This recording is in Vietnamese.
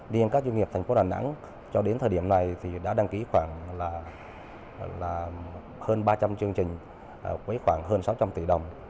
điên các doanh nghiệp thành phố đà nẵng cho đến thời điểm này thì đã đăng ký khoảng hơn ba trăm linh chương trình với khoảng hơn sáu trăm linh tỷ đồng